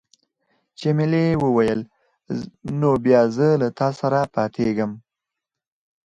جميلې وويل: نو بیا زه له تا سره پاتېږم.